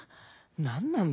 何なんだ